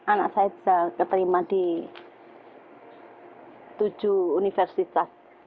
anak saya bisa keterima di tujuh universitas